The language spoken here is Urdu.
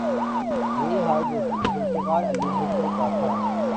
یہی حال ذوالفقار علی بھٹو کا تھا۔